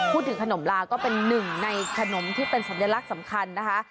พูดถึงขนมลาก็เป็นหนึ่งในขนมที่เป็นสัญลักษณ์สำคัญนะคะ